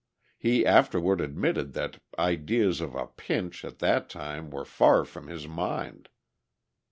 He afterward admitted that ideas of a "pinch" at that time were far from his mind.